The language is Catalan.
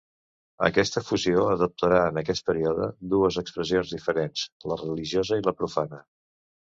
Aquesta fusió adoptarà en aquest període dues expressions diferents: la religiosa i la profana.